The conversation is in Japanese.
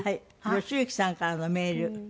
吉行さんからのメール。